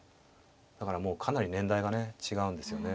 だからもうかなり年代がね違うんですよね。